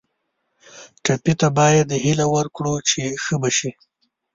ټپي ته باید هیله ورکړو چې ښه به شي.